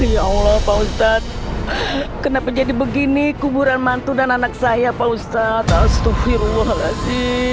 ya allah pak ustadz kenapa jadi begini kuburan mantu dan anak saya pak ustadz al stufirullah